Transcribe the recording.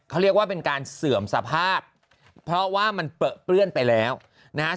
เขาเรียกว่าเป็นการเสื่อมสภาพเพราะว่ามันเปลือเปื้อนไปแล้วนะฮะ